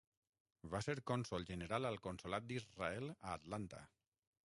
Va ser cònsol general al consolat d'Israel a Atlanta.